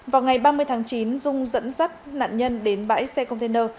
vào ngày ba mươi tháng chín dung dẫn dắt nạn nhân đến bãi xe container